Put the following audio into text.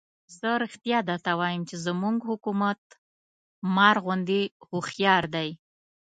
زه رښتیا درته وایم چې زموږ حکومت مار غوندې هوښیار دی.